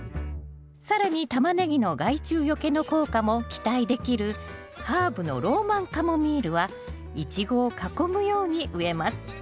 更にタマネギの害虫よけの効果も期待できるハーブのローマンカモミールはイチゴを囲むように植えます。